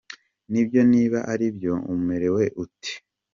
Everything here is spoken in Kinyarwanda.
Ni byo? Niba ari byo umerewe ute ?.